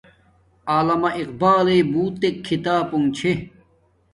علامہ اقبالݵ بوتک کھتاپونک چھے